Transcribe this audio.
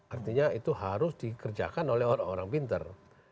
artinya itu harus dikerjakan oleh orang orang pinter